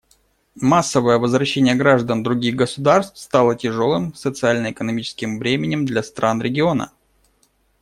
Массовое возвращение граждан других государств стало тяжелым социально-экономическим бременем для стран региона.